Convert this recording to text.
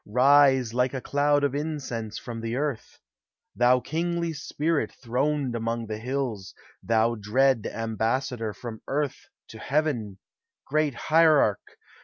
Rise, like a cloud of incense from the Earth ! Thou kingly Spirit throned among the hills, Thou dread ambassador from Earth to Heaven, Great Hierarch